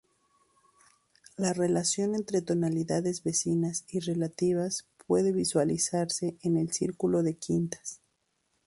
La relación entre tonalidades vecinas y relativas puede visualizarse en el circulo de quintas.